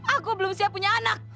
aku belum siap punya anak